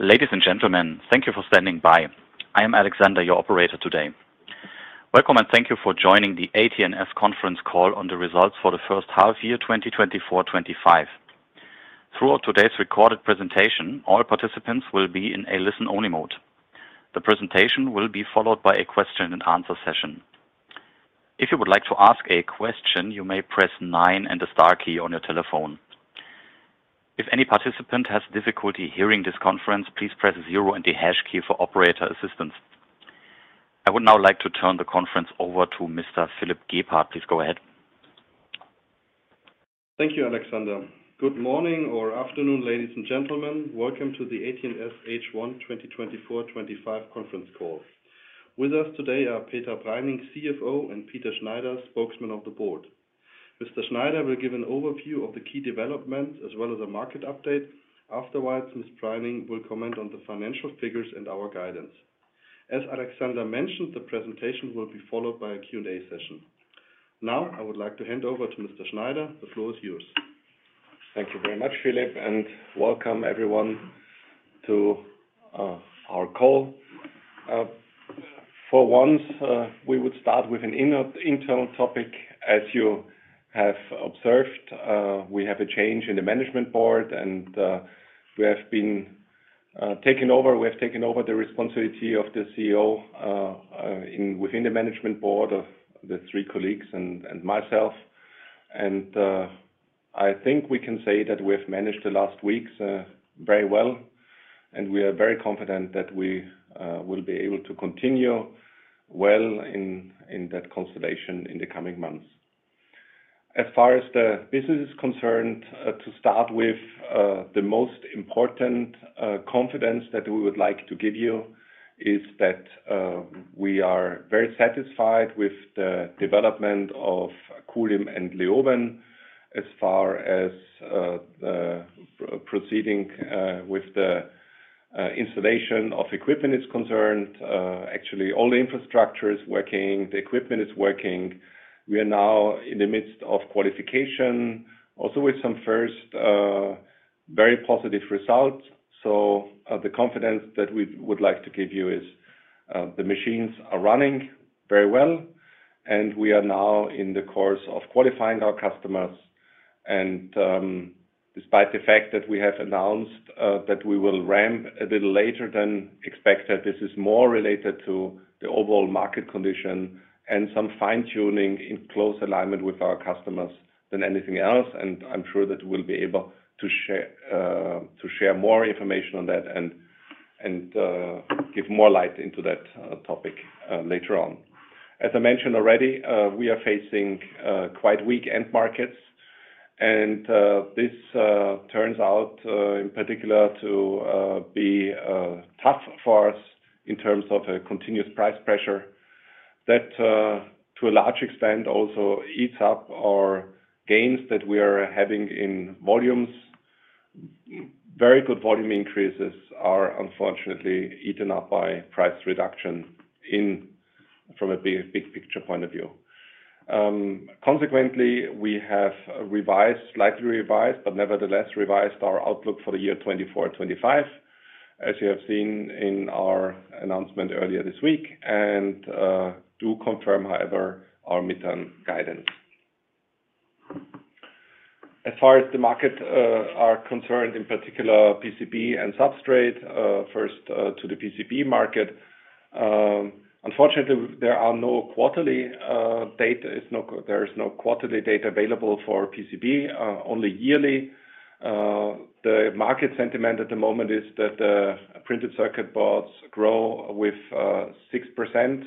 Ladies and gentlemen, thank you for standing by. I am Alexander, your operator today. Welcome and thank you for joining the AT&S conference call on the results for the first half year, 2024, 2025. Throughout today's recorded presentation, all participants will be in a listen-only mode. The presentation will be followed by a question and answer session. If you would like to ask a question, you may press nine and the star key on your telephone. If any participant has difficulty hearing this conference, please press zero and the hash key for operator assistance. I would now like to turn the conference over to Mr. Philipp Gebhardt. Please go ahead. Thank you, Alexander. Good morning or afternoon, ladies and gentlemen. Welcome to the AT&S H1 2024, 2025 conference call. With us today are Petra Preining, CFO, and Peter Schneider, spokesman of the board. Mr. Schneider will give an overview of the key development as well as a market update. Afterwards, Ms. Preining will comment on the financial figures and our guidance. As Alexander mentioned, the presentation will be followed by a Q&A session. Now I would like to hand over to Mr. Schneider. The floor is yours. Thank you very much, Philip, and welcome everyone to our call. For once, we would start with an internal topic. As you have observed, we have a change in the management board and we have been taking over. We have taken over the responsibility of the CEO within the management board of the three colleagues and myself. I think we can say that we have managed the last weeks very well, and we are very confident that we will be able to continue well in that constellation in the coming months. As far as the business is concerned, to start with, the most important confidence that we would like to give you is that we are very satisfied with the development of Kulim and Leoben as far as the proceeding with the installation of equipment is concerned. Actually, all the infrastructure is working, the equipment is working. We are now in the midst of qualification also with some first, very positive results. The confidence that we would like to give you is, the machines are running very well, and we are now in the course of qualifying our customers. Despite the fact that we have announced that we will ramp a little later than expected, this is more related to the overall market condition and some fine-tuning in close alignment with our customers than anything else. I'm sure that we'll be able to share more information on that and give more light into that topic later on. As I mentioned already, we are facing quite weak end markets. This turns out in particular to be tough for us in terms of a continuous price pressure that to a large extent also eats up our gains that we are having in volumes. Very good volume increases are unfortunately eaten up by price reduction from a big picture point of view. Consequently, we have slightly revised, but nevertheless revised our outlook for the year 2024/2025, as you have seen in our announcement earlier this week. Do confirm, however, our mid-term guidance. As far as the market are concerned, in particular PCB and substrate. First, to the PCB market, unfortunately, there are no quarterly data. There is no quarterly data available for PCB, only yearly. The market sentiment at the moment is that printed circuit boards grow with 6%,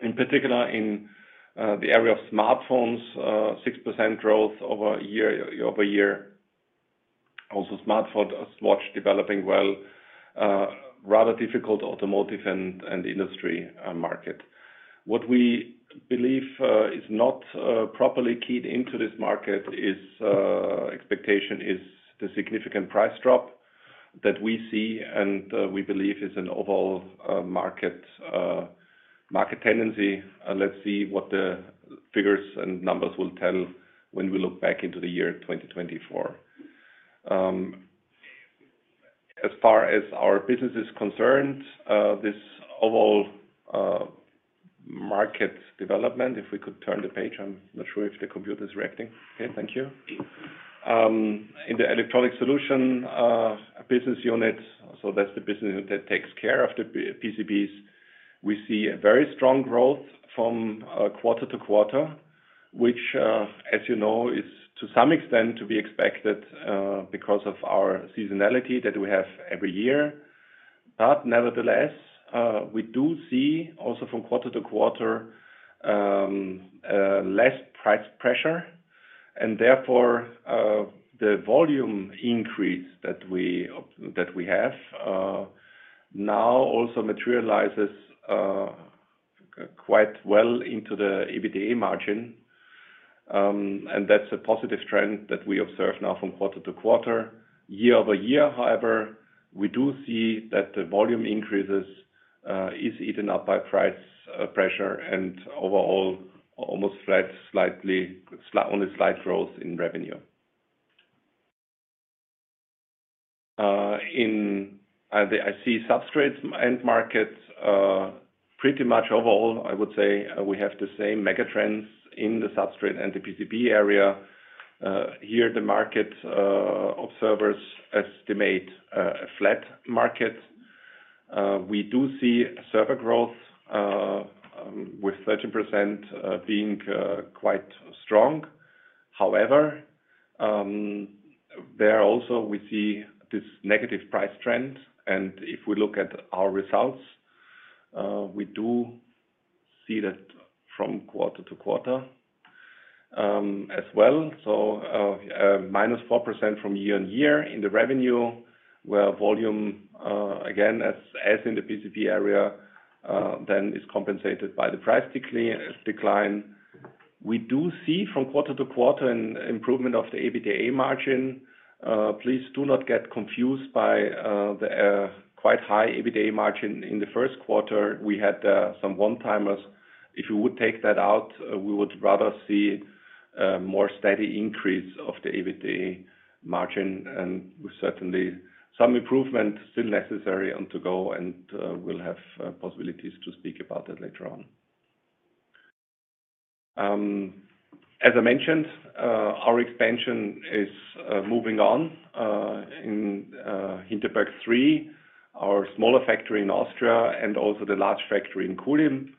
in particular in the area of smartphones, 6% growth over a year-over-year. Also, smartphone, smartwatch developing well. Rather difficult automotive and industry market. What we believe is not properly keyed into this market is expectation is the significant price drop that we see and we believe is an overall market tendency. Let's see what the figures and numbers will tell when we look back into the year 2024. As far as our business is concerned, this overall market development, if we could turn the page, I'm not sure if the computer is reacting. Okay, thank you. In the Electronics Solutions business unit, so that's the business unit that takes care of the PCBs. We see a very strong growth from quarter to quarter, which, as you know, is to some extent to be expected because of our seasonality that we have every year. Nevertheless, we do see also from quarter to quarter less price pressure, and therefore, the volume increase that we have now also materializes quite well into the EBITDA margin. That's a positive trend that we observe now from quarter to quarter. Year-over-year, however, we do see that the volume increases is eaten up by price pressure and overall almost flat only slight growth in revenue. In the IC substrates end markets, pretty much overall, I would say we have the same mega trends in the substrate and the PCB area. Here the market observers estimate a flat market. We do see server growth with 13% being quite strong. However, there also we see this negative price trend. If we look at our results, we do see that from quarter to quarter as well. Minus 4% from year-on-year in the revenue, where volume, again, as in the PCB area, then is compensated by the price decline. We do see from quarter to quarter an improvement of the EBITDA margin. Please do not get confused by the quite high EBITDA margin. In the first quarter, we had some one-timers. If you would take that out, we would rather see more steady increase of the EBITDA margin, and certainly some improvement still necessary and to go, and we'll have possibilities to speak about that later on. As I mentioned, our expansion is moving on in Hinterberg 3, our smaller factory in Austria, and also the large factory in Kulim.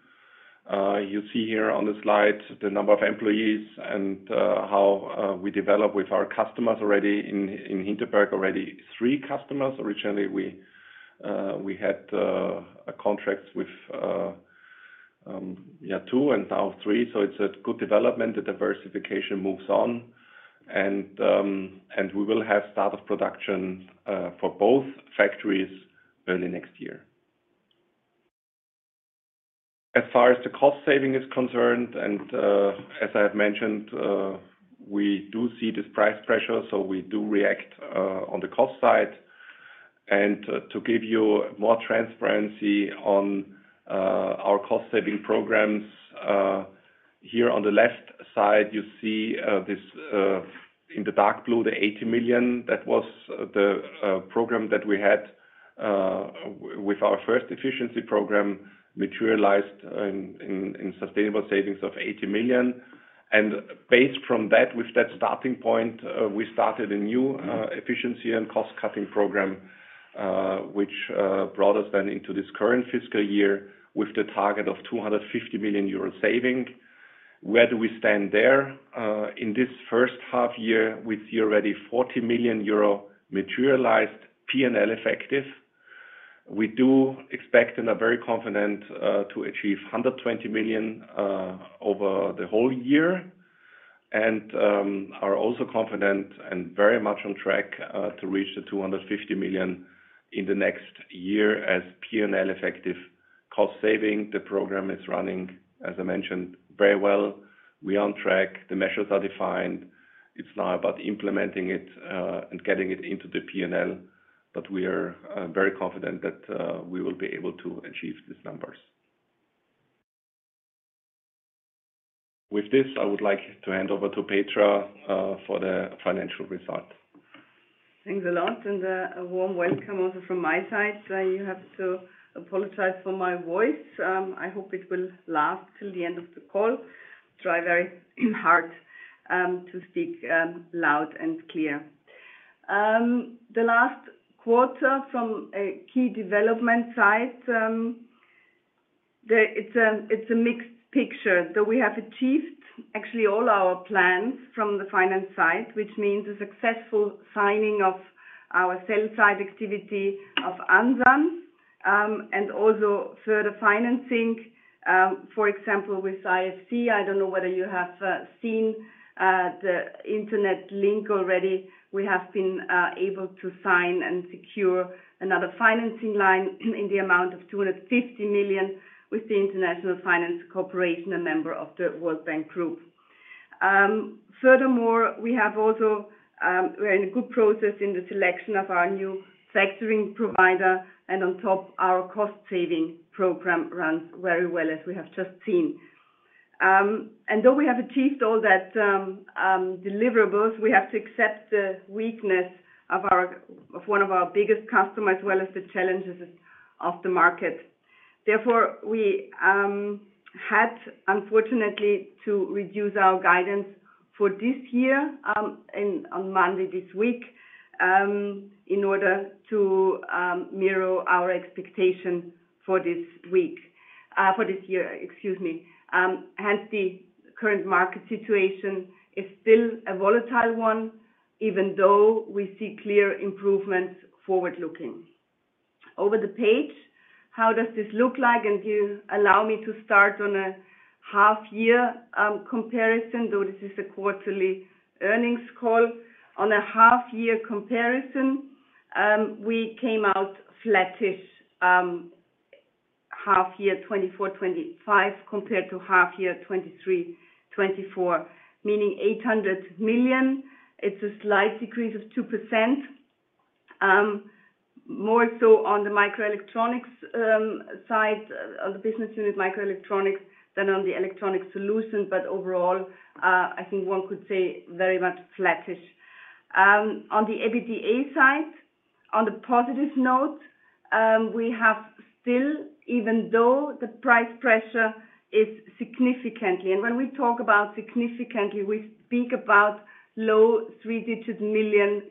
You see here on the slide the number of employees and how we develop with our customers already in Hinterberg, already three customers. Originally, we had contracts with two and now three. It's a good development. The diversification moves on, and we will have start of production for both factories early next year. As far as the cost saving is concerned, and as I have mentioned, we do see this price pressure, so we do react on the cost side. To give you more transparency on our cost saving programs, here on the left side, you see this in the dark blue, the 80 million. That was the program that we had with our first efficiency program materialized in sustainable savings of 80 million. Based from that, with that starting point, we started a new efficiency and cost cutting program, which brought us then into this current fiscal year with the target of 250 million euro saving. Where do we stand there? In this first half year, we see already 40 million euro materialized P&L effective. We do expect and are very confident to achieve 120 million over the whole year, and are also confident and very much on track to reach the 250 million in the next year as P&L effective cost saving. The program is running, as I mentioned, very well. We're on track. The measures are defined. It's now about implementing it and getting it into the P&L, we are very confident that we will be able to achieve these numbers. With this, I would like to hand over to Petra for the financial results. Thanks a lot and a warm welcome also from my side. You have to apologize for my voice. I hope it will last till the end of the call. Try very hard to speak loud and clear. The last quarter from a key development side, it's a mixed picture. We have achieved actually all our plans from the finance side, which means a successful signing of our sell side activity of Ansan and also further financing, for example, with IFC. I don't know whether you have seen the internet link already. We have been able to sign and secure another financing line in the amount of 250 million with the International Finance Corporation, a member of the World Bank Group. Furthermore, we have also We are in a good process in the selection of our new factoring provider, and on top our cost saving program runs very well as we have just seen. Though we have achieved all that deliverables, we have to accept the weakness of one of our biggest customers, as well as the challenges of the market. Therefore, we had unfortunately to reduce our guidance for this year on Monday this week in order to mirror our expectation for this week. For this year, excuse me. Hence the current market situation is still a volatile one, even though we see clear improvements forward looking. Over the page, how does this look like? You allow me to start on a half year comparison, though this is a quarterly earnings call. On a half-year comparison, we came out flattish, half-year 2024, 2025 compared to half year 2023, 2024, meaning 800 million. It's a slight decrease of 2%. More so on the Microelectronics side of the business unit Microelectronics than on the Electronics Solutions. Overall, I think one could say very much flattish. On the EBITDA side, on the positive note, we have still, even though the price pressure is significantly, and when we talk about significantly, we speak about low EUR 3-digit million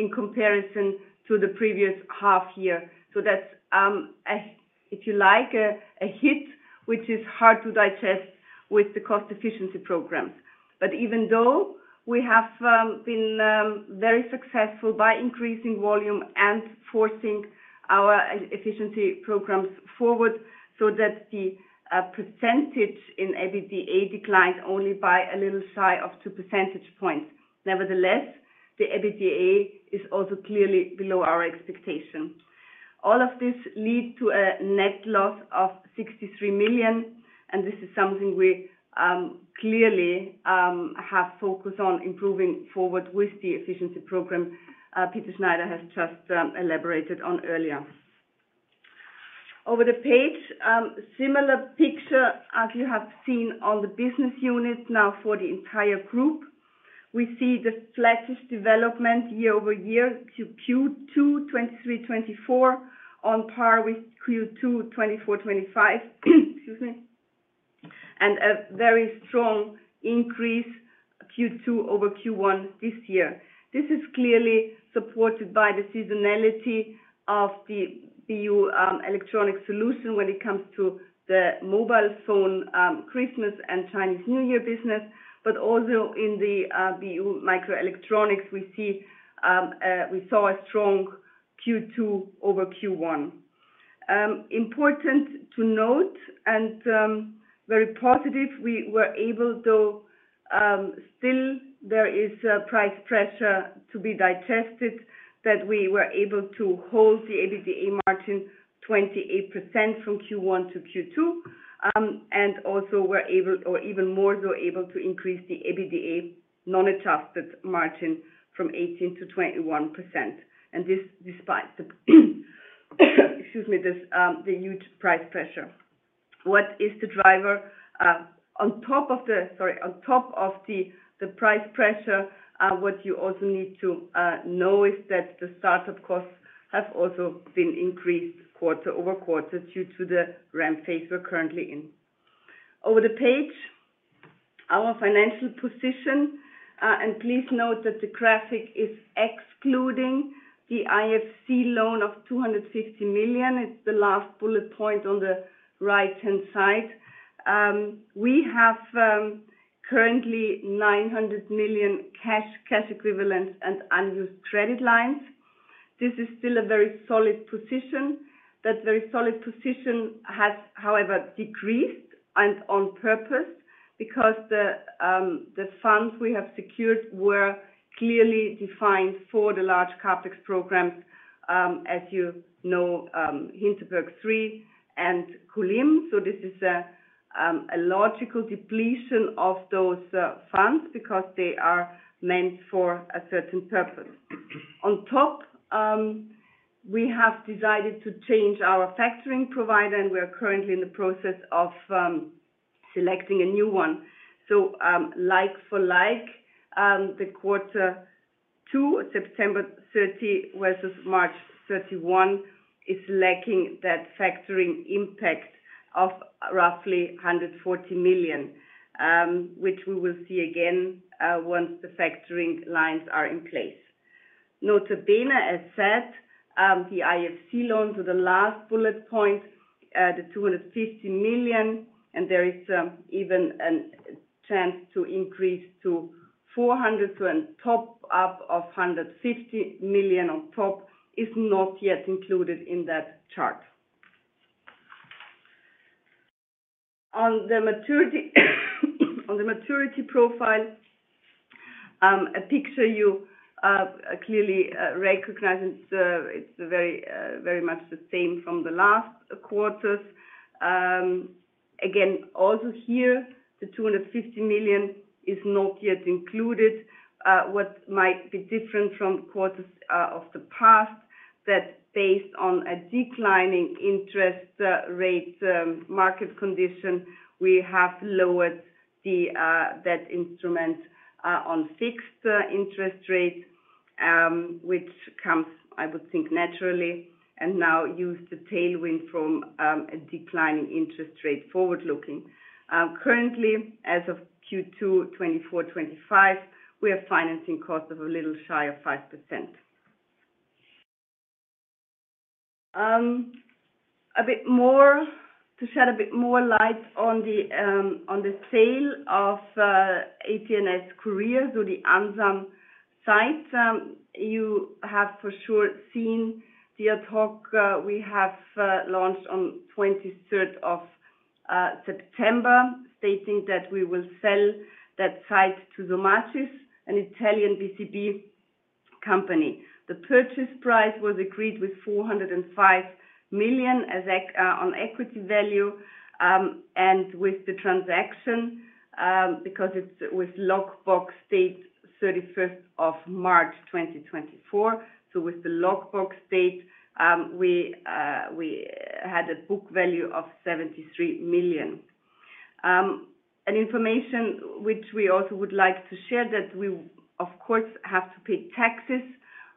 in comparison to the previous half year. That's a hit, which is hard to digest with the cost efficiency programs. Even though we have been very successful by increasing volume and forcing our e-efficiency programs forward so that the percentage in EBITDA declined only by a little shy of 2 % points. Nevertheless, the EBITDA is also clearly below our expectation. All of this lead to a net loss of 63 million, and this is something we clearly have focused on improving forward with the efficiency program Peter Schneider has just elaborated on earlier. Over the page, similar picture as you have seen on the business unit now for the entire group. We see the flattest development year-over-year to Q2 2023/2024 on par with Q2 2024/2025. Excuse me. A very strong increase Q2 over Q1 this year. This is clearly supported by the seasonality of the BU Electronics Solutions when it comes to the mobile phone, Christmas and Chinese New Year business. Also in the BU Microelectronics, we saw a strong Q2 over Q1. Important to note and very positive, we were able, though still there is a price pressure to be digested, that we were able to hold the EBITDA margin 28% from Q1 to Q2. Also we were even more so able to increase the EBITDA non-adjusted margin from 18% to 21%. This despite the excuse me, this the huge price pressure. What is the driver? On top of the... Sorry, on top of the price pressure, what you also need to know is that the startup costs have also been increased quarter-over-quarter due to the ramp phase we're currently in. Over the page, our financial position, please note that the graphic is excluding the IFC loan of 250 million. It's the last bullet point on the right-hand side. We have currently 900 million cash equivalents and unused credit lines. This is still a very solid position. That very solid position has, however, decreased and on purpose because the funds we have secured were clearly defined for the large CapEx programs, as you know, Hinterberg III and Kulim. This is a logical depletion of those funds because they are meant for a certain purpose. On top, we have decided to change our factoring provider, and we are currently in the process of selecting a new one. Like for like, the Q2, September 30 versus March 31 is lacking that factoring impact of roughly 140 million, which we will see again, once the factoring lines are in place. Nota bene, as said, the IFC loan to the last bullet point, the 250 million, and there is even a chance to increase to 400, so a top up of 150 million on top is not yet included in that chart. On the maturity profile, a picture you clearly recognize. It's very much the same from the last quarters. Again, also here, the 250 million is not yet included. What might be different from quarters of the past that based on a declining interest rate market condition, we have lowered the instrument on fixed interest rate, which comes, I would think, naturally, and now use the tailwind from a declining interest rate forward looking. Currently, as of Q2 2024/2025, we have financing costs of a little shy of 5%. To shed a bit more light on the sale of AT&S Korea, so the Ansan site, you have for sure seen the ad hoc we have launched on 23rd of September, stating that we will sell that site to Somacis, an Italian PCB company. The purchase price was agreed with 405 million on equity value, and with the transaction, because it's with lock box date March 31, 2024, so with the lock box date, we had a book value of 73 million. An information which we also would like to share that we of course have to pay taxes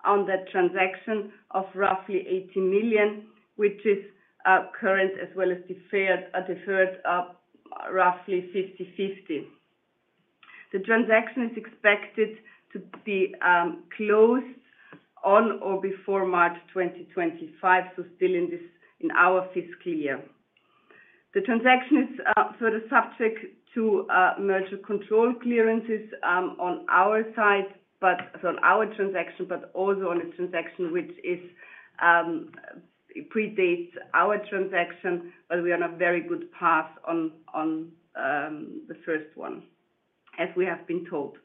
on that transaction of roughly 18 million, which is current as well as deferred of roughly 50/50. The transaction is expected to be closed on or before March 2025, so still in our fiscal year. The transaction is sort of subject to merger control clearances on our side, so our transaction, but also on a transaction which is predates our transaction, but we are on a very good path on the first one, as we have been told.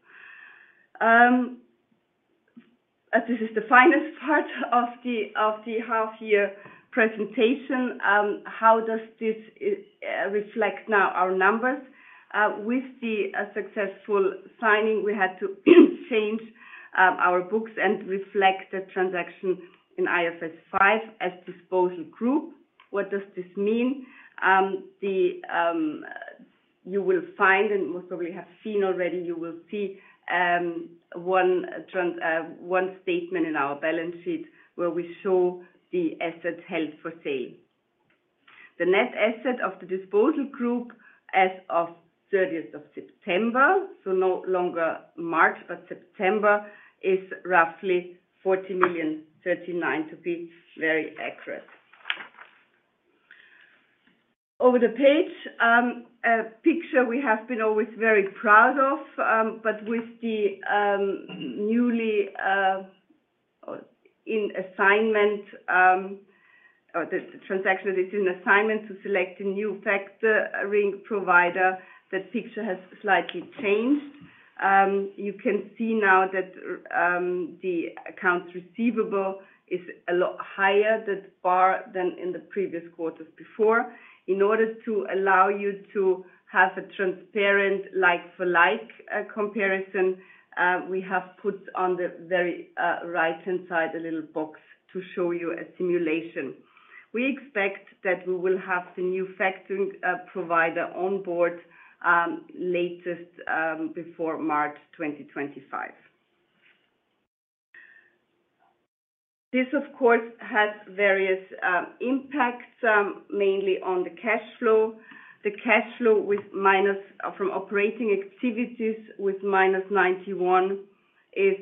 This is the finest part of the half year presentation, how does this reflect now our numbers? With the successful signing, we had to change our books and reflect the transaction in IFRS 5 as disposal group. What does this mean? The, you will find and most probably have seen already, you will see one statement in our balance sheet where we show the assets held for sale. The net asset of the disposal group as of 30th of September, so no longer March, but September, is roughly 40 million, 39 to be very accurate. Over the page, a picture we have been always very proud of, but with the newly in assignment, or the transaction that is in assignment to select a new factoring provider, that picture has slightly changed. You can see now that the accounts receivable is a lot higher that bar than in the previous quarters before. In order to allow you to have a transparent like for like comparison, we have put on the very right-hand side a little box to show you a simulation. We expect that we will have the new factoring provider on board, latest, before March 2025. This of course, has various impacts, mainly on the cash flow. The cash flow with minus from operating activities with minus 91 is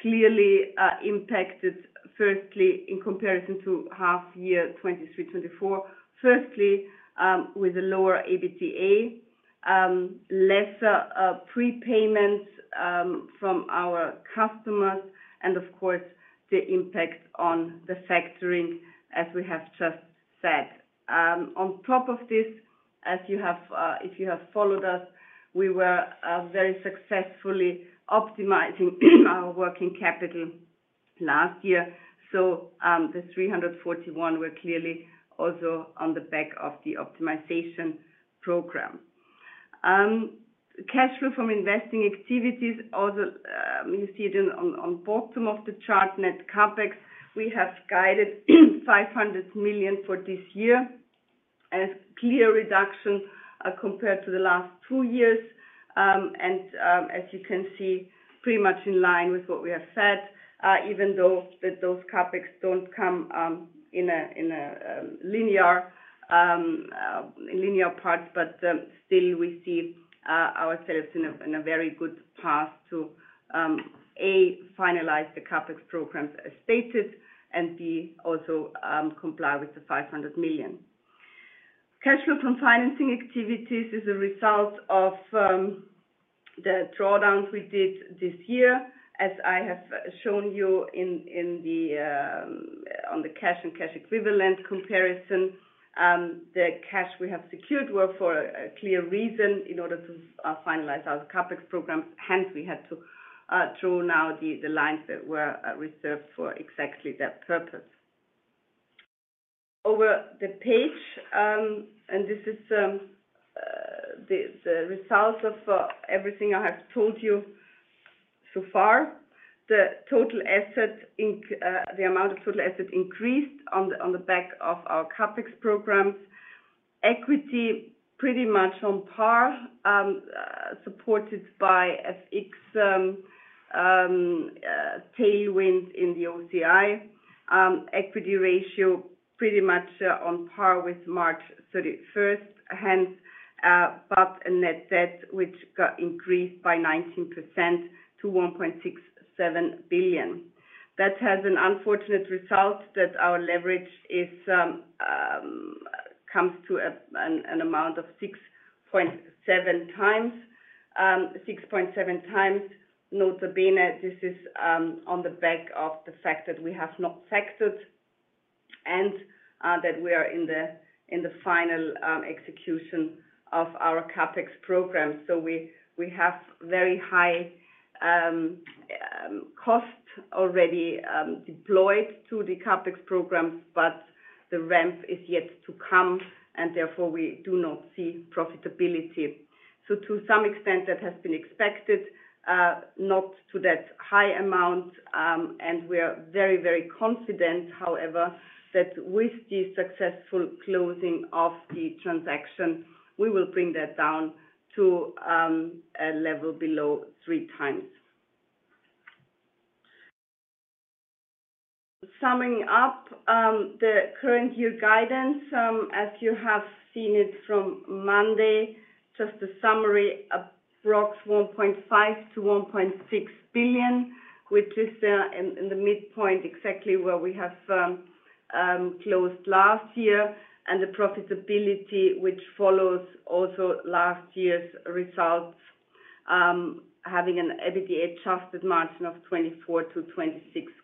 clearly impacted firstly in comparison to half year 2023, 2024. Firstly, with a lower EBITDA, lesser prepayments from our customers and of course the impact on the factoring as we have just said. On top of this, as you have, if you have followed us, we were very successfully optimizing our working capital last year. The 341 were clearly also on the back of the optimization program. Cash flow from investing activities, also, you see it on bottom of the chart net CapEx. We have guided 500 million for this year as clear reduction compared to the last two years. As you can see, pretty much in line with what we have said, even though that those CapEx don't come in a linear path, but still we see ourselves in a very good path to A, finalize the CapEx programs as stated, and B, also, comply with the 500 million. Cash flow from financing activities is a result of the drawdowns we did this year. As I have shown you in the on the cash and cash equivalent comparison, the cash we have secured were for a clear reason in order to finalize our CapEx programs. Hence, we had to draw now the lines that were reserved for exactly that purpose. Over the page, this is the result of everything I have told you so far. The total asset, the amount of total asset increased on the back of our CapEx programs. Equity pretty much on par, supported by FX tailwinds in the OCI. Equity ratio pretty much on par with March 31st, hence, net debt which got increased by 19% to 1.67 billion. That has an unfortunate result that our leverage comes to an amount of 6.7 times. Nota bene, this is on the back of the fact that we have not factored and that we are in the final execution of our CapEx program. We have very high cost already deployed to the CapEx programs, but the ramp is yet to come, and therefore we do not see profitability. To some extent, that has been expected, not to that high amount, and we are very, very confident, however, that with the successful closing of the transaction, we will bring that down to a level below 3 times. Summing up the current year guidance, as you have seen it from Monday, just a summary, approx 1.5 billion-1.6 billion, which is in the midpoint exactly where we have closed last year, and the profitability which follows also last year's results, having an EBITDA adjusted margin of 24%-26%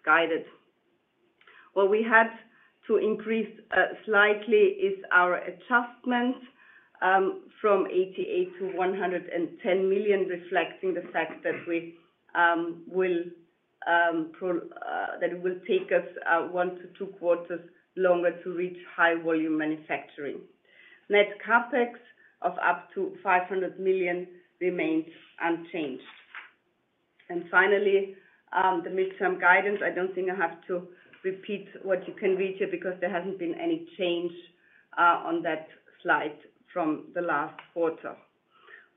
guided. What we had to increase slightly is our adjustment, from 88 million to 110 million, reflecting the fact that it will take us 1 to 2 quarters longer to reach high volume manufacturing. Net CapEx of up to 500 million remains unchanged. Finally, the midterm guidance. I don't think I have to repeat what you can read here because there hasn't been any change on that slide from the last quarter.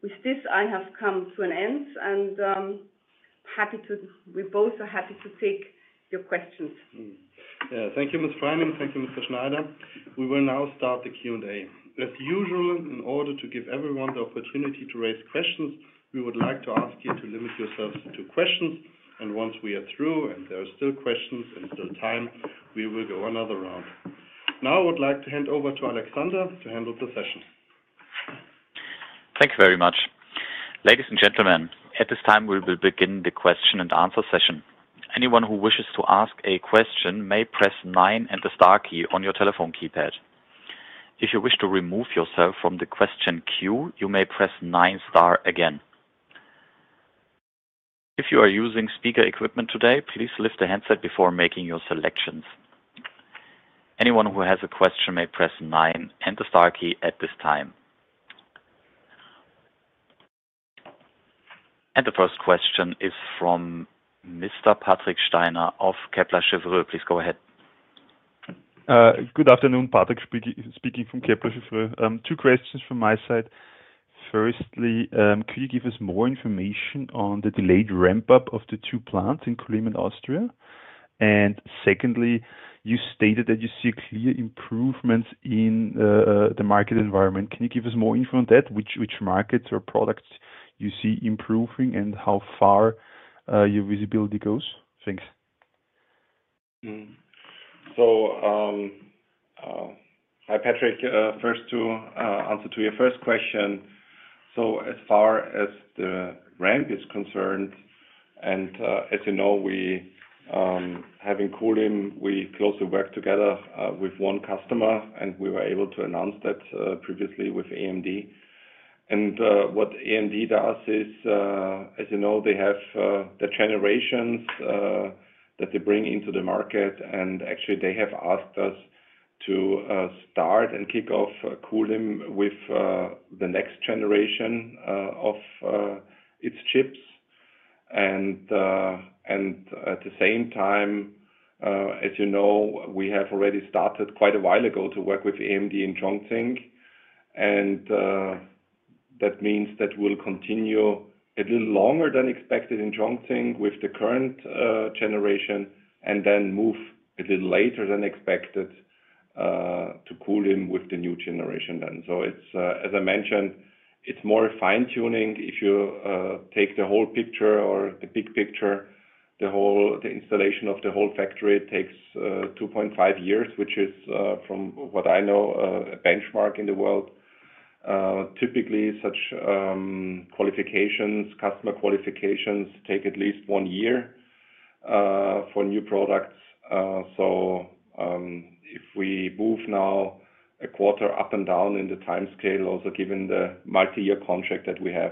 With this, I have come to an end, we both are happy to take your questions. Thank you, Ms. Preining. Thank you, Mr. Schneider. We will now start the Q&A. As usual, in order to give everyone the opportunity to raise questions, we would like to ask you to limit yourselves to two questions, and once we are through, and there are still questions and still time, we will go another round. Now, I would like to hand over to Alexander to handle the session. Thank you very much. Ladies and gentlemen, at this time, we will begin the question and answer session. Anyone who wishes to ask a question may press 9 and the star key on your telephone keypad. If you wish to remove yourself from the question queue, you may press 9 star again. If you are using speaker equipment today, please lift the handset before making your selections. Anyone who has a question may press 9 and the star key at this time. The first question is from Mr. Patrick Steiner of Kepler Cheuvreux. Please go ahead. Good afternoon. Patrick Steiner speaking from Kepler Cheuvreux. Two questions from my side. Firstly, could you give us more information on the delayed ramp-up of the two plants in Kulim and Austria? Secondly, you stated that you see clear improvements in the market environment. Can you give us more info on that? Which markets or products you see improving and how far your visibility goes? Thanks. Hi, Patrick. First to answer to your first question. As far as the ramp is concerned, as you know, we, having Kulim, we closely work together with one customer, and we were able to announce that previously with AMD. What AMD does is, as you know, they have the generations that they bring into the market. Actually, they have asked us to start and kick off Kulim with the next generation of its chips. At the same time, as you know, we have already started quite a while ago to work with AMD in Chongqing. That means that we'll continue a little longer than expected in Chongqing with the current generation and then move a little later than expected to Kulim with the new generation then. It's, as I mentioned, it's more fine-tuning. If you take the whole picture or the big picture, the installation of the whole factory takes 2.5 years, which is from what I know, a benchmark in the world. Typically such qualifications, customer qualifications take at least one year for new products. If we move now a quarter up and down in the timescale, also given the multi-year contract that we have,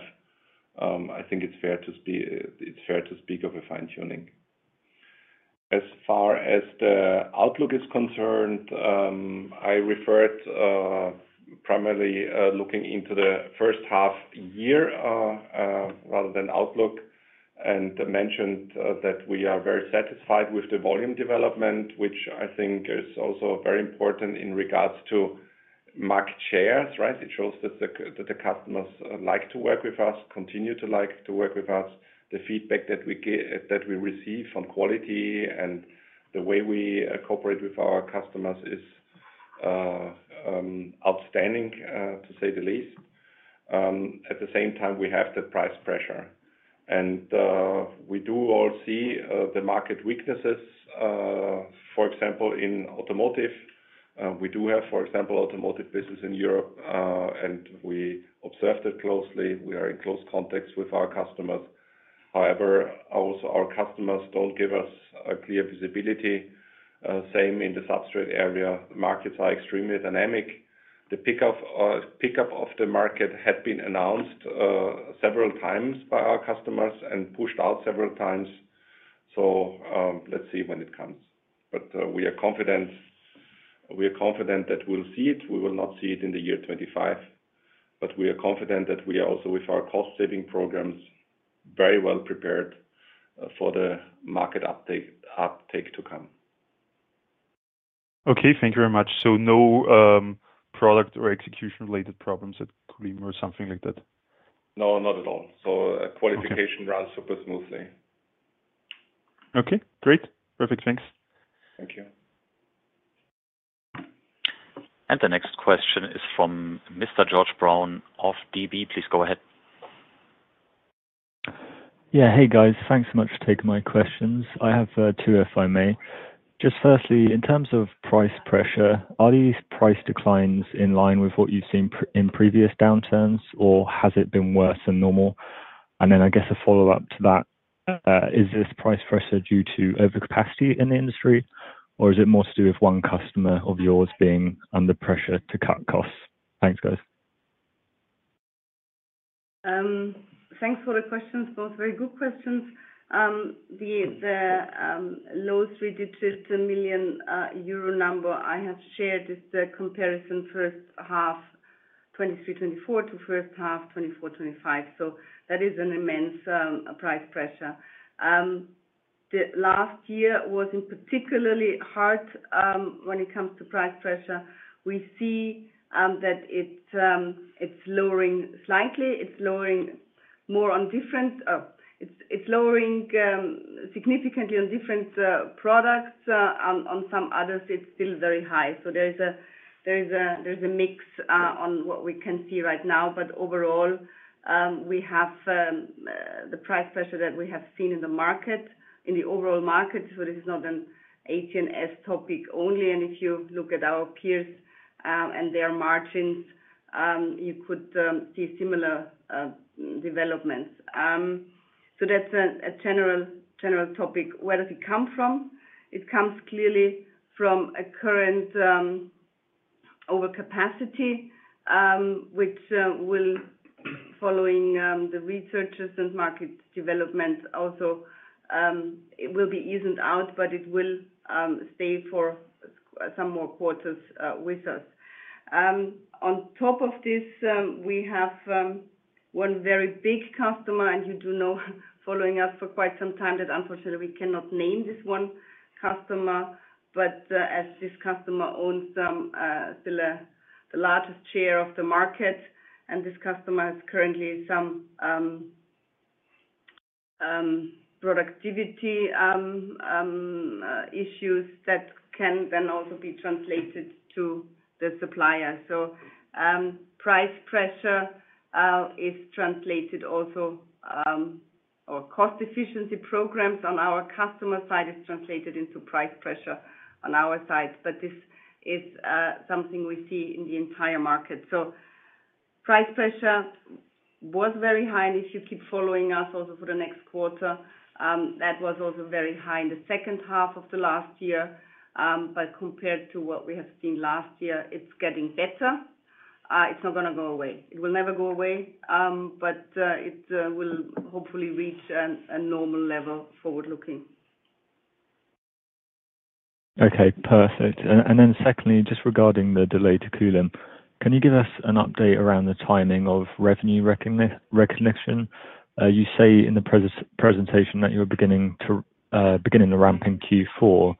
I think it's fair to speak of a fine-tuning. As far as the outlook is concerned, I referred primarily looking into the first half year rather than outlook, and mentioned that we are very satisfied with the volume development, which I think is also very important in regards to market shares, right? It shows that the customers like to work with us, continue to like to work with us. The feedback that we receive on quality and the way we cooperate with our customers is outstanding to say the least. At the same time, we have the price pressure. We do all see the market weaknesses, for example, in automotive. We do have, for example, automotive business in Europe, and we observe that closely. We are in close contact with our customers. However, also our customers don't give us a clear visibility. Same in the substrate area. Markets are extremely dynamic. The pickup of the market had been announced several times by our customers and pushed out several times. Let's see when it comes. We are confident that we'll see it. We will not see it in the year 2025, we are confident that we are also, with our cost-saving programs, very well prepared for the market uptake to come. Okay. Thank you very much. No product or execution-related problems at Kulim or something like that? No, not at all. Okay. Qualification runs super smoothly. Okay, great. Perfect. Thanks. Thank you. The next question is from Mr. George Brown of DB. Please go ahead. Yeah. Hey, guys. Thanks so much for taking my questions. I have two, if I may. Just firstly, in terms of price pressure, are these price declines in line with what you've seen in previous downturns, or has it been worse than normal? I guess a follow-up to that, is this price pressure due to overcapacity in the industry, or is it more to do with one customer of yours being under pressure to cut costs? Thanks, guys. Thanks for the questions. Both very good questions. The low three-digit million euro number I have shared is the comparison first half 2023, 2024 to first half 2024, 2025. That is an immense price pressure. The last year wasn't particularly hard when it comes to price pressure. We see that it's lowering slightly. It's lowering significantly on different products. On some others, it's still very high. There is a mix on what we can see right now. Overall, we have the price pressure that we have seen in the market, in the overall market. This is not an AT&S topic only. If you look at our peers, and their margins, you could see similar developments. That's a general topic. Where does it come from? It comes clearly from a current overcapacity, which will, following the researchers and market developments also, it will be evened out, but it will stay for some more quarters with us. On top of this, we have one very big customer, and you do know following us for quite some time, that unfortunately we cannot name this one customer, but as this customer owns still the largest share of the market, and this customer has currently some productivity issues that can then also be translated to the supplier. Price pressure is translated also, or cost efficiency programs on our customer side is translated into price pressure on our side. This is something we see in the entire market. Price pressure was very high, and if you keep following us also for the next quarter, that was also very high in the second half of the last year. Compared to what we have seen last year, it's getting better. It's not gonna go away. It will never go away, it will hopefully reach a normal level forward looking. Okay. Perfect. Secondly, just regarding the delay to Kulim, can you give us an update around the timing of revenue recognition? You say in the presentation that you are beginning the ramp in Q4.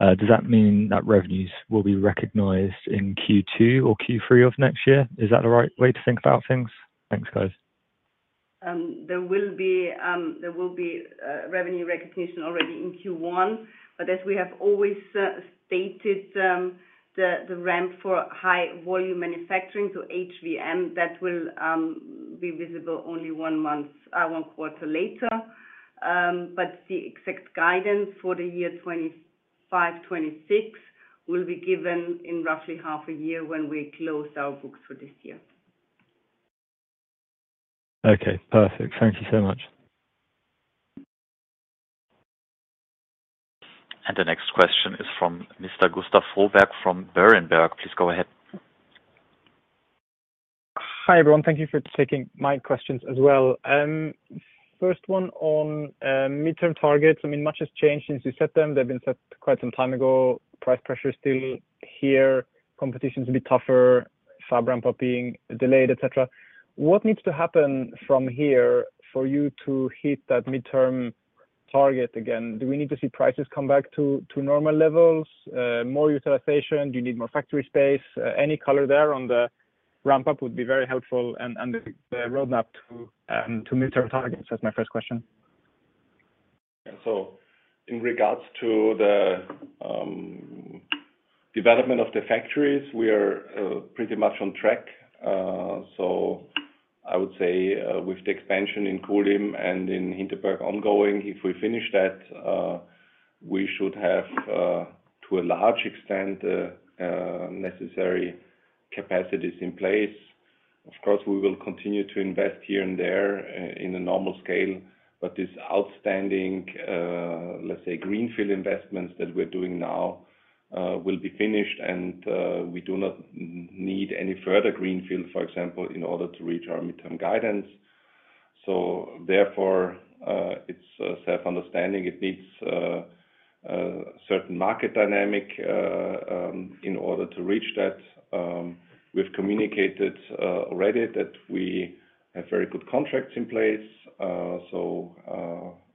Does that mean that revenues will be recognized in Q2 or Q3 of next year? Is that the right way to think about things? Thanks, guys. There will be revenue recognition already in Q1, but as we have always stated, the ramp for high volume manufacturing, so HVM, that will be visible only 1 month, 1 quarter later. The exact guidance for the year 2025, 2026 will be given in roughly half a year when we close our books for this year. Okay. Perfect. Thank you so much. The next question is from Mr. Gustav Froberg from Berenberg. Please go ahead. Hi, everyone. Thank you for taking my questions as well. First one on midterm targets. I mean, much has changed since you set them. They've been set quite some time ago. Price pressure is still here. Competition's a bit tougher. Fab ramp-up being delayed, et cetera. What needs to happen from here for you to hit that midterm target again? Do we need to see prices come back to normal levels, more utilization? Do you need more factory space? Any color there on the ramp-up would be very helpful and the roadmap to midterm targets. That's my first question. In regards to the development of the factories, we are pretty much on track. I would say, with the expansion in Kulim and in Hinterberg ongoing, if we finish that, we should have to a large extent necessary capacities in place. Of course, we will continue to invest here and there in a normal scale, but this outstanding, let's say, greenfield investments that we're doing now, will be finished, and we do not need any further greenfield, for example, in order to reach our midterm guidance. Therefore, it's self-understanding. It needs certain market dynamic in order to reach that. We've communicated already that we have very good contracts in place.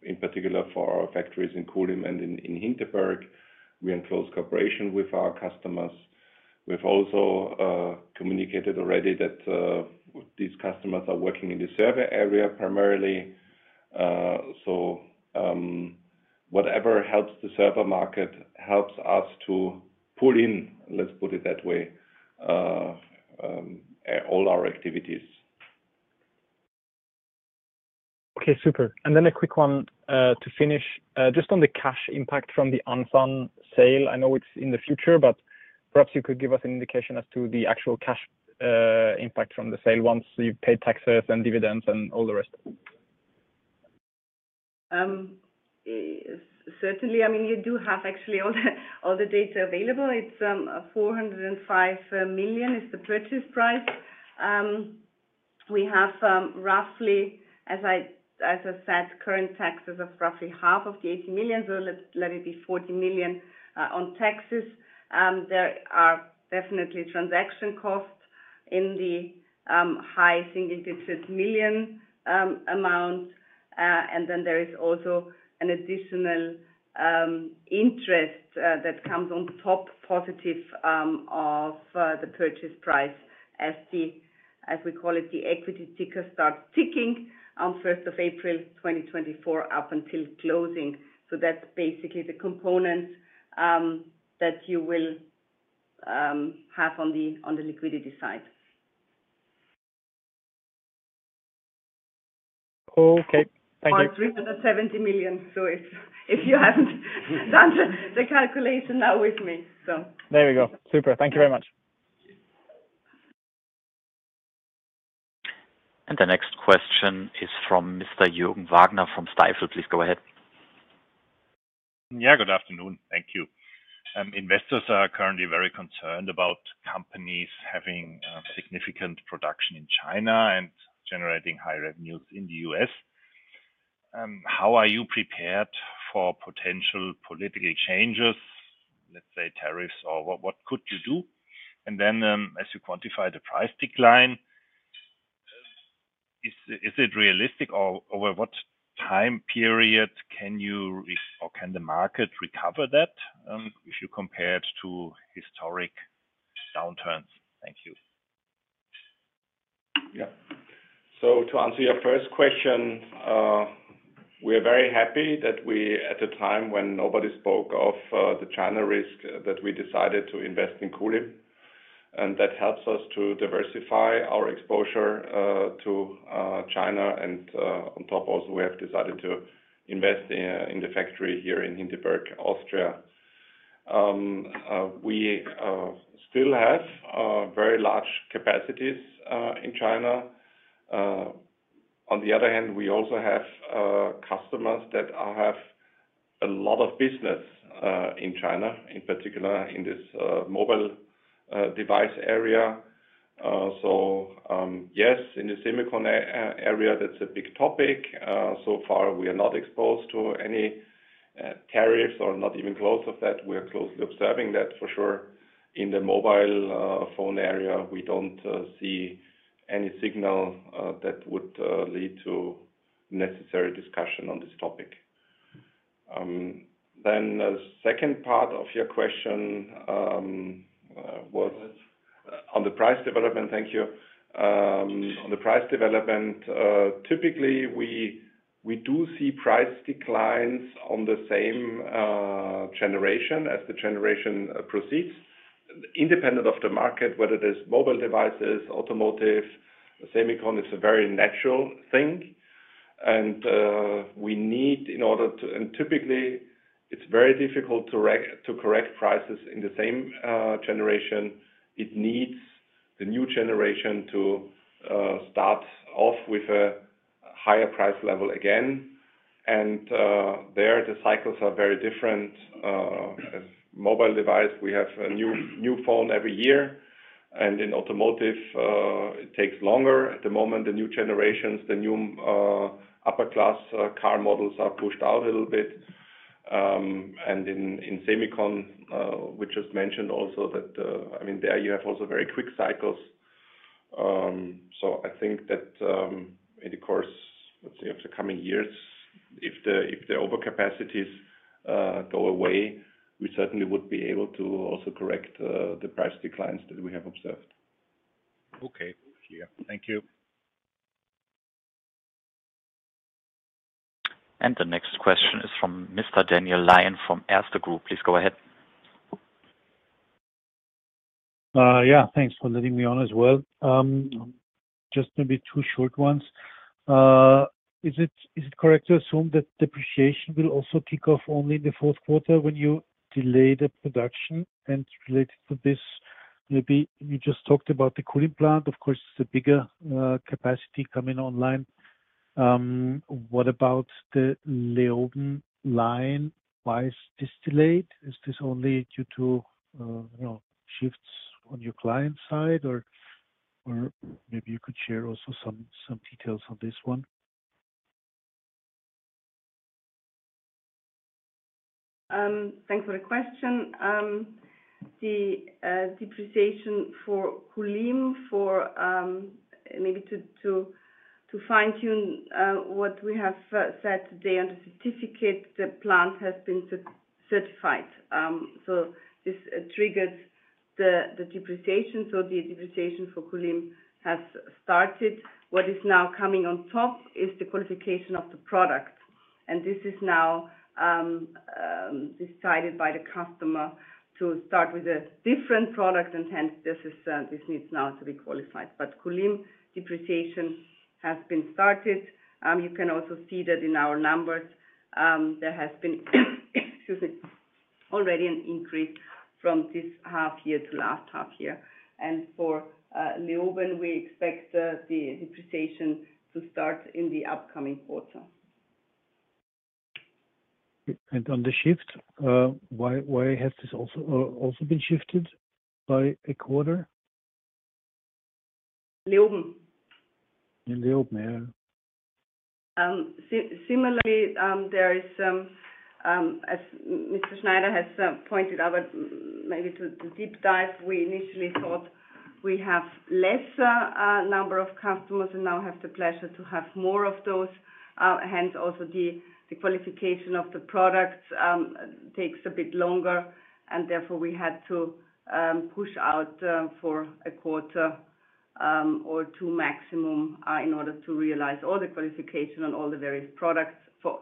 In particular for our factories in Kulim and in Hinterberg, we are in close cooperation with our customers. We've also communicated already that these customers are working in the server area primarily. Whatever helps the server market helps us to pull in, let's put it that way, all our activities. Okay. Super. A quick one to finish. Just on the cash impact from the Ansan sale. I know it's in the future, but perhaps you could give us an indication as to the actual cash impact from the sale once you've paid taxes and dividends and all the rest of it. Certainly. I mean, you do have actually all the data available. It's 405 million is the purchase price. We have, roughly, as I said, current taxes of roughly half of the 80 million. Let it be 40 million on taxes. There are definitely transaction costs in the EUR high single-digit million amount. There is also an additional interest that comes on top positive of the purchase price as we call it, the equity ticker starts ticking on first of April 2024 up until closing. That's basically the component that you will have on the liquidity side. Okay. Thank you. 370 million. If you haven't done the calculation now with me. There we go. Super. Thank you very much. The next question is from Mr. Jürgen Wagner from Stifel. Please go ahead. Yeah, good afternoon. Thank you. Investors are currently very concerned about companies having significant production in China and generating high revenues in the U.S. How are you prepared for potential political changes, let's say tariffs or what could you do? As you quantify the price decline, is it realistic or over what time period can you or can the market recover that, if you compare it to historic downturns? Thank you. To answer your first question, we are very happy that we, at the time when nobody spoke of the China risk, that we decided to invest in Kulim, and that helps us to diversify our exposure to China. On top also, we have decided to invest in the factory here in Hinterberg, Austria. We still have very large capacities in China. On the other hand, we also have customers that have a lot of business in China, in particular in this mobile device area. Yes, in the semicon area, that's a big topic. So far, we are not exposed to any tariffs or not even close of that. We are closely observing that, for sure. In the mobile phone area, we don't see any signal that would lead to necessary discussion on this topic. The second part of your question was on the price development. Thank you. On the price development, typically, we do see price declines on the same generation as the generation proceeds independent of the market, whether it is mobile devices, automotive, semicon. It's a very natural thing. We need in order to. Typically, it's very difficult to correct prices in the same generation. It needs the new generation to start off with a higher price level again. There, the cycles are very different. Mobile device, we have a new phone every year. In automotive, it takes longer. At the moment, the new generations, the new, upper class, car models are pushed out a little bit. In semicon, we just mentioned also that, I mean, there you have also very quick cycles. I think that, in the course, let's say, of the coming years, if the, if the overcapacities, go away, we certainly would be able to also correct, the price declines that we have observed. Okay. Yeah. Thank you. The next question is from Mr. Daniel Lion from Erste Group. Please go ahead. Yeah. Thanks for letting me on as well. Just maybe two short ones. Is it correct to assume that depreciation will also kick off only in the fourth quarter when you delay the production? Related to this, maybe you just talked about the Kulim plant. Of course, it's a bigger capacity coming online. What about the Leoben line wise distillate? Is this only due to, you know, shifts on your client side or maybe you could share also some details on this one. Thanks for the question. The depreciation for Kulim for maybe to fine-tune what we have said today on the certificate, the plant has been certified. This triggers the depreciation. The depreciation for Kulim has started. What is now coming on top is the qualification of the product. This is now decided by the customer to start with a different product, and hence this needs now to be qualified. Kulim depreciation has been started. You can also see that in our numbers, there has been, excuse me, already an increase from this half year to last half year. For Leoben, we expect the depreciation to start in the upcoming quarter. On the shift, why has this also been shifted by a quarter? Leoben? In Leoben, yeah. Similarly, there is, as Mr. Schneider has pointed out, but maybe to deep dive, we initially thought we have less number of customers and now have the pleasure to have more of those. Hence also the qualification of the products takes a bit longer, and therefore we had to push out for a quarter or two maximum in order to realize all the qualification on all the various products for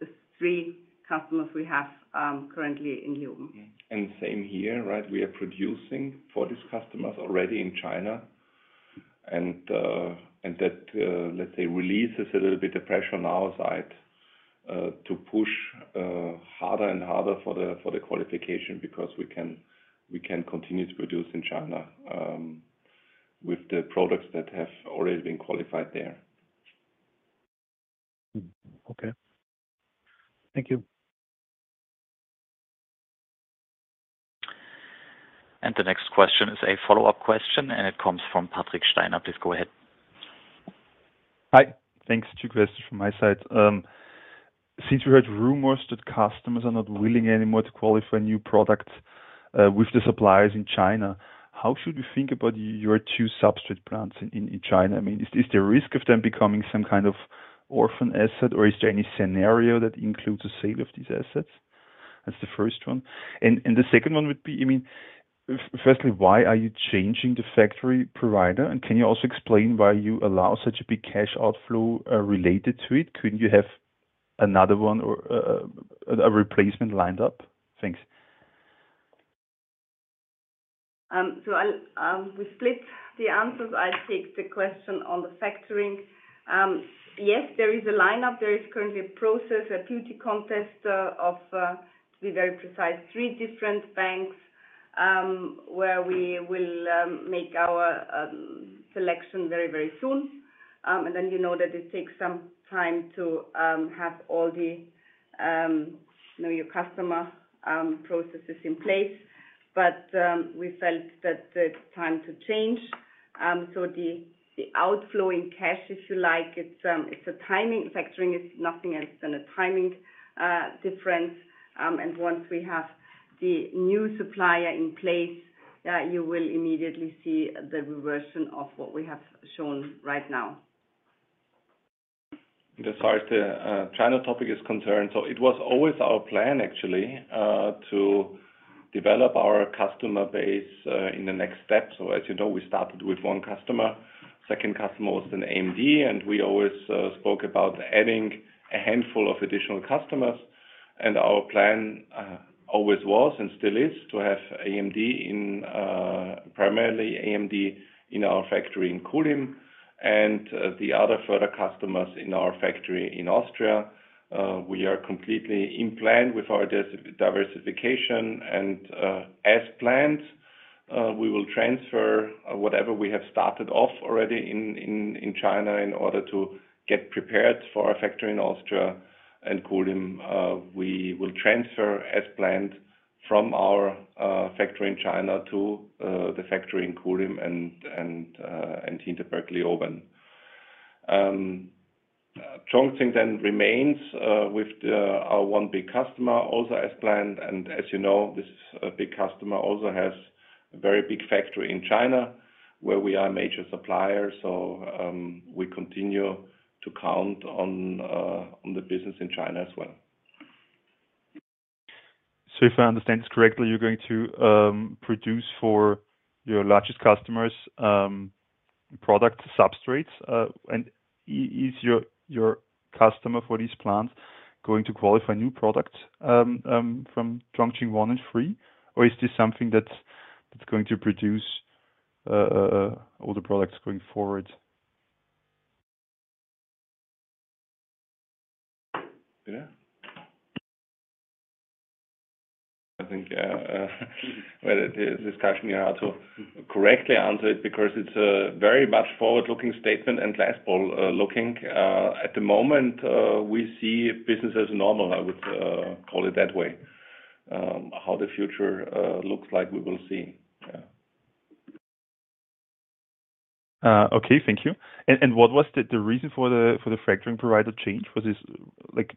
the three customers we have currently in Leoben. Same here, right? We are producing for these customers already in China. That, let's say, releases a little bit the pressure on our side to push harder and harder for the qualification because we can continue to produce in China with the products that have already been qualified there. Mm-hmm. Okay. Thank you. The next question is a follow-up question, and it comes from Patrick Steiner. Please go ahead. Hi. Thanks. Two questions from my side. Since we heard rumors that customers are not willing anymore to qualify new products with the suppliers in China, how should we think about your two substrate plants in China? I mean, is there a risk of them becoming some kind of orphan asset, or is there any scenario that includes the sale of these assets? That's the first one. The second one would be, I mean, firstly, why are you changing the factory provider? Can you also explain why you allow such a big cash outflow related to it? Couldn't you have another one or a replacement lined up? Thanks. I'll, we split the answers. I take the question on the factoring. Yes, there is a lineup. There is currently a process, a beauty contest, of, to be very precise, three different banks, where we will make our selection very, very soon. Then you know that it takes some time to have all the, you know, your customer processes in place. We felt that it's time to change. The, the outflow in cash, if you like, it's a timing. Factoring is nothing else than a timing difference. Once we have the new supplier in place, you will immediately see the reversion of what we have shown right now. As far as the China topic is concerned, it was always our plan actually to develop our customer base in the next step. As you know, we started with one customer. Second customer was an AMD, and we always spoke about adding a handful of additional customers. Our plan always was and still is to have AMD in primarily AMD in our factory in Kulim and the other further customers in our factory in Austria. We are completely in plan with our diversification. As planned, we will transfer whatever we have started off already in China in order to get prepared for our factory in Austria and Kulim. We will transfer as planned from our factory in China to the factory in Kulim and into Leoben. Chongqing then remains with our one big customer also as planned. As you know, this big customer also has a very big factory in China, where we are a major supplier. We continue to count on the business in China as well. If I understand this correctly, you're going to produce for your largest customers, product substrates. Is your customer for these plants going to qualify new products from Chongqing I and III? Is this something It's going to produce all the products going forward? I think, well, this is Gerstenmayer also correctly answered because it's a very much forward-looking statement and less backward-looking. At the moment, we see business as normal, I would call it that way. How the future looks like, we will see. Okay. Thank you. What was the reason for the fracturing provider change? Was this, like,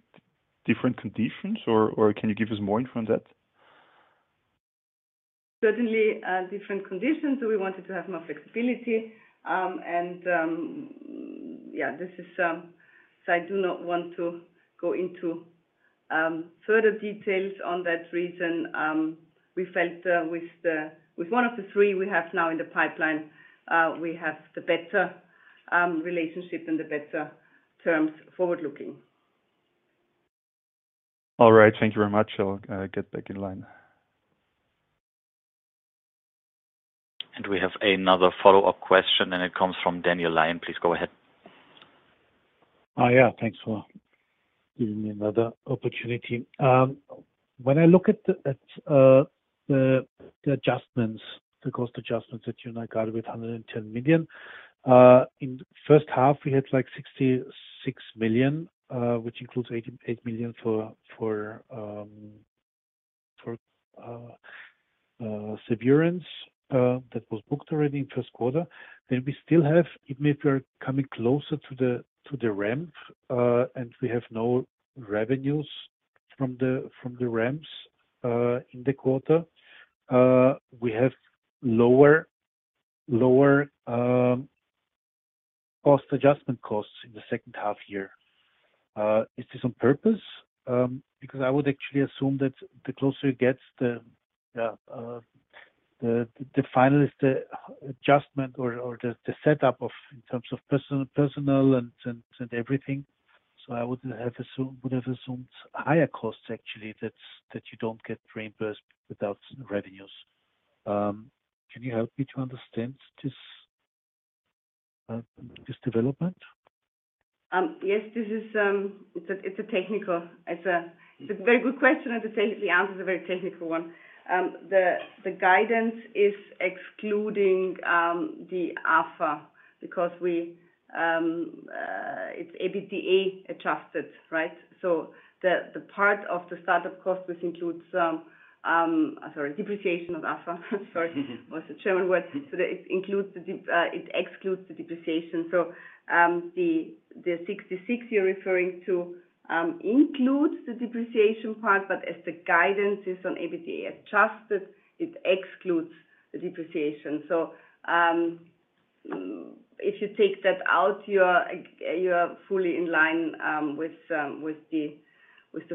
different conditions or can you give us more info on that? Certainly, different conditions. We wanted to have more flexibility. I do not want to go into further details on that reason. We felt, with one of the three we have now in the pipeline, we have the better relationship and the better terms forward-looking. All right. Thank you very much. I'll get back in line. We have another follow-up question, and it comes from Daniel Lion. Please go ahead. Oh, yeah. Thanks for giving me another opportunity. When I look at the adjustments, the cost adjustments that you now got with 110 million in first half, we had, like, 66 million, which includes 88 million for severance that was booked already in first quarter. We still have, even if you're coming closer to the ramp, and we have no revenues from the ramps in the quarter, we have lower cost adjustment costs in the second half year. Is this on purpose? I would actually assume that the closer it gets, the final is the adjustment or the setup of in terms of personnel and everything. I would have assumed higher costs actually, that you don't get reimbursed without revenues. Can you help me to understand this development? Yes, this is. It's a very good question, the same, the answer is a very technical one. The guidance is excluding the Anlauf because we, it's EBITDA adjusted, right? The part of the start of course, this includes, sorry, depreciation of Anlauf, sorry. Mm-hmm. It was a German word. It excludes the depreciation. The 66 you're referring to includes the depreciation part, but as the guidance is on EBITDA adjusted, it excludes the depreciation. If you take that out, you're fully in line with the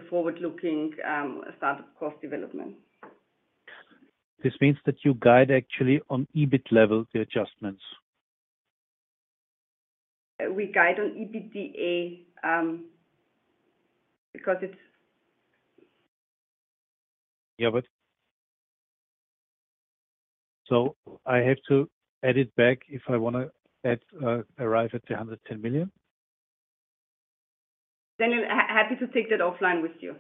forward-looking start-up cost development. This means that you guide actually on EBIT level the adjustments. We guide on EBITDA. I have to add it back if I wanna add, arrive at 210 million? Daniel, happy to take that offline with you.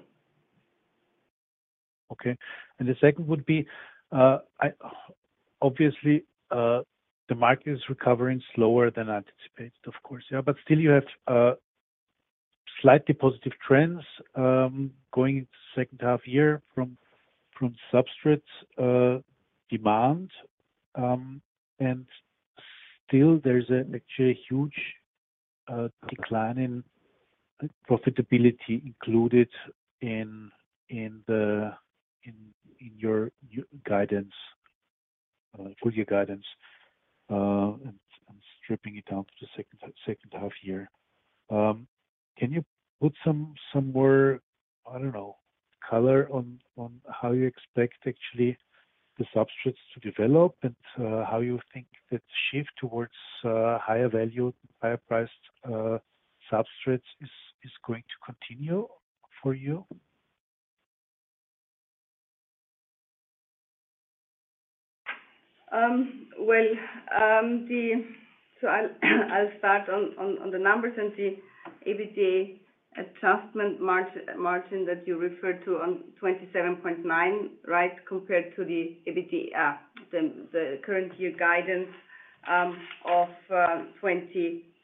Okay. The second would be, obviously, the market is recovering slower than anticipated, of course. Yeah. Still you have slightly positive trends going into second half year from substrates demand. Still there's a actually huge decline in profitability included in the in your guidance, full year guidance, and stripping it down to the second half year. Can you put some more, I don't know, color on how you expect actually the substrates to develop and how you think that shift towards higher value, higher priced substrates is going to continue for you? I'll start on the numbers and the EBITDA adjustment margin that you referred to on 27.9%, right, compared to the EBITDA, the current year guidance of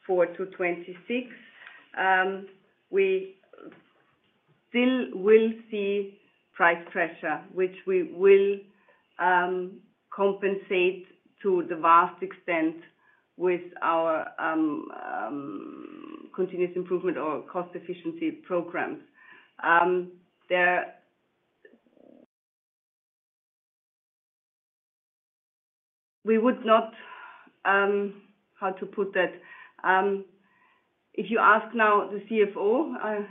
24%-26%. We still will see price pressure, which we will compensate to the vast extent with our continuous improvement or cost efficiency programs. How to put that? If you ask now the CFO,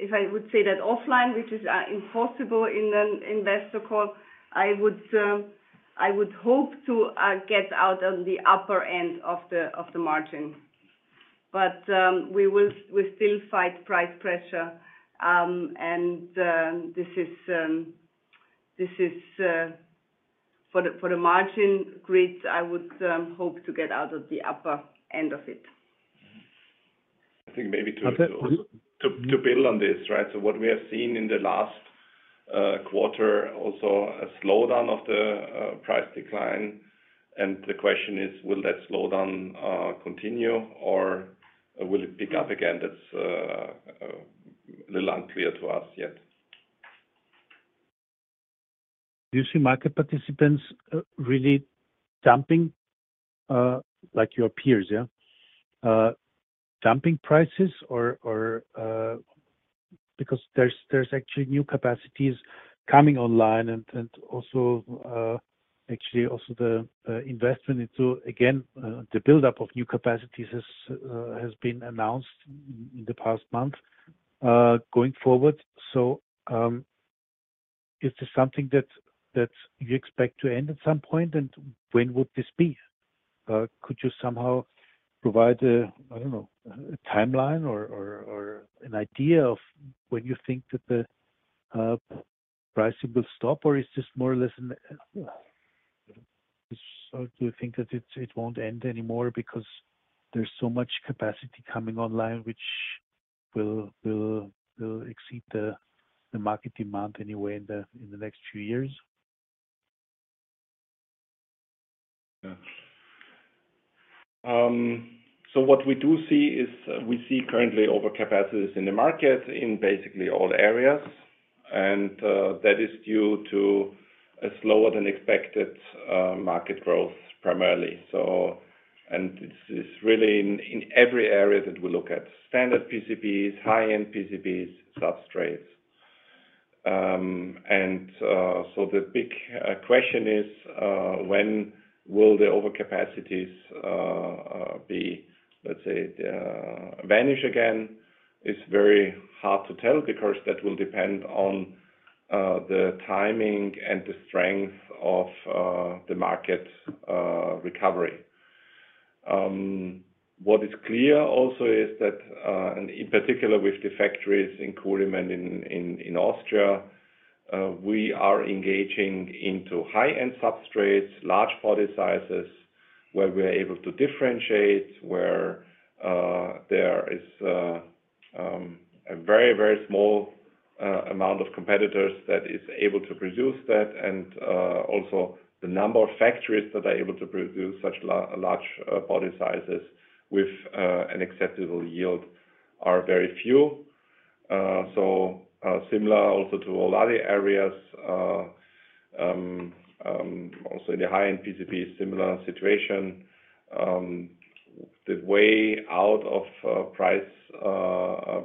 if I would say that offline, which is impossible in an investor call, I would hope to get out on the upper end of the margin. We still fight price pressure. This is for the margin grids, I would hope to get out of the upper end of it. I think maybe to build on this. What we have seen in the last quarter, also a slowdown of the price decline. The question is, will that slowdown continue or will it pick up again? That's a little unclear to us yet. Do you see market participants really dumping like your peers, yeah, dumping prices or because there's actually new capacities coming online and also actually also the investment into again the buildup of new capacities has been announced in the past month going forward? Is this something that you expect to end at some point, and when would this be? Could you somehow provide a, I don't know, a timeline or an idea of when you think that the pricing will stop, or is this more or less? Do you think that it won't end anymore because there's so much capacity coming online, which will exceed the market demand anyway in the next few years? What we do see is we see currently overcapacities in the market in basically all areas. That is due to a slower than expected market growth primarily. This is really in every area that we look at. Standard PCBs, high-end PCBs, substrates. The big question is, when will the overcapacities be, let's say, vanish again? It's very hard to tell because that will depend on the timing and the strength of the market recovery. What is clear also is that, in particular with the factories in Kulim and in Austria, we are engaging into high-end substrates, large body sizes where we are able to differentiate, where there is a very, very small amount of competitors that is able to produce that. Also the number of factories that are able to produce such large body sizes with an acceptable yield are very few. Similar also to all other areas, also in the high-end PCB, similar situation. The way out of price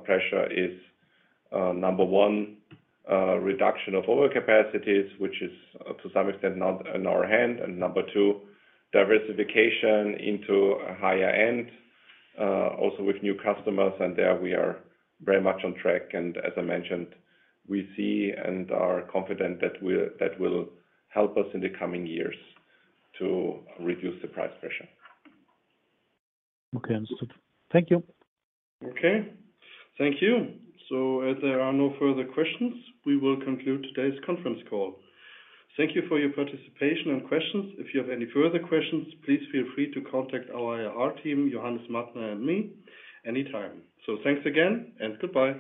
pressure is number one, reduction of over capacities, which is to some extent not in our hand, and number two, diversification into a higher end, also with new customers. There we are very much on track. As I mentioned, we see and are confident that will help us in the coming years to reduce the price pressure. Okay. Understood. Thank you. Okay. Thank you. As there are no further questions, we will conclude today's conference call. Thank you for your participation and questions. If you have any further questions, please feel free to contact our IR team, Johannes Mattner and me anytime. Thanks again and goodbye.